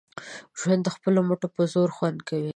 ژوند د خپلو مټو په زور خوند کړي